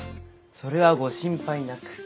それはご心配なく。